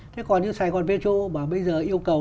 thế còn như sài gòn petro mà bây giờ yêu cầu